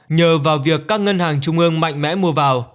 nhờ vào việc các ngân hàng trung ương mạnh mẽ mua vào